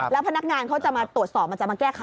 แล้วพนักงานเขาจะมาตรวจสอบมันจะมาแก้ไข